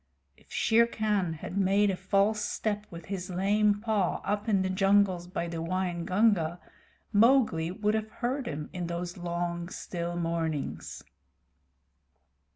If Shere Khan had made a false step with his lame paw up in the jungles by the Waingunga, Mowgli would have heard him in those long, still mornings.